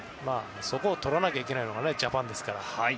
そこを取らなきゃいけないのがジャパンですから。